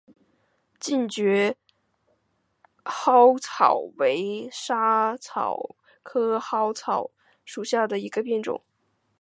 近蕨嵩草为莎草科嵩草属下的一个变种。